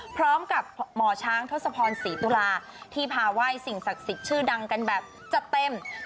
พร้อมกับหมอช้างทศพรศรีตุลาที่พาไหว้สิ่งศักดิ์สิทธิ์ชื่อดังกันแบบจัดเต็ม